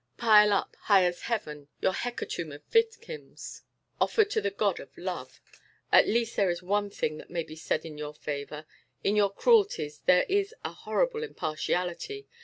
Pile up, high as heaven, your hecatomb of victims, offered to the God of love. At least there is one thing that may be said in your favour. In your cruelties there is a horrible impartiality.